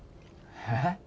えっ？